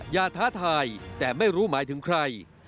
ท้าทายแต่ไม่รู้หมายถึงใคร